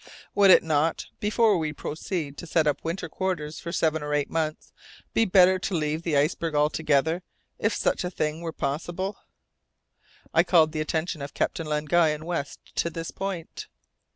Would it not, before we proceed to set up winter quarters for seven or eight months, be better to leave the iceberg altogether, if such a thing were possible? I called the attention of Captain Len Guy and West to this point.